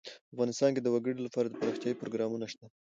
افغانستان کې د وګړي لپاره دپرمختیا پروګرامونه شته.